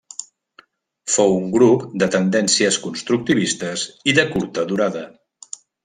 Fou un grup de tendències constructivistes, i de curta durada.